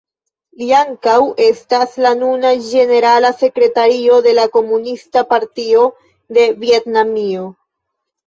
Li ankaŭ estas la nuna ĝenerala sekretario de la Komunista Partio de Vjetnamio.